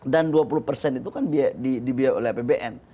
dan dua puluh itu kan dibiayai oleh pbn